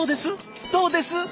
どうです？